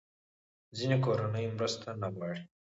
ځینې کورنۍ مرسته نه غواړي.